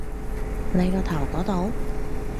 你個頭度？